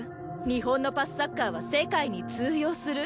日本のパスサッカーは世界に通用する？